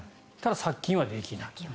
ただ、殺菌はできない。